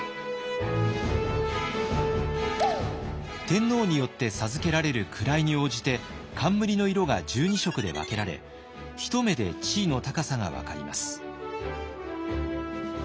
天皇によって授けられる位に応じて冠の色が１２色で分けられ一目で地位の高さが分かります。